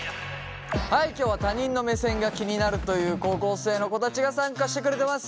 はい今日は他人の目線が気になるという高校生の子たちが参加してくれてます。